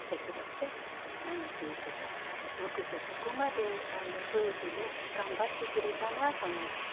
よくぞここまで夫婦で頑張ってくれたなと思って。